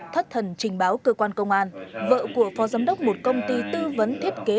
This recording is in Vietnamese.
thất thần trình báo cơ quan công an vợ của phó giám đốc một công ty tư vấn thiết kế